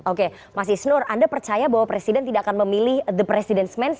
oke mas isnur anda percaya bahwa presiden tidak akan memilih the president ⁇ ns